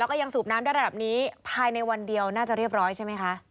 แล้วก็ยังสูบน้ำได้ระดับนี้ภายในวันเดียวน่าจะเรียบร้อยใช่ไหมคะ